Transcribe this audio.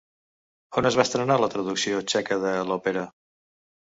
On es va estrenar la traducció txeca de l'òpera?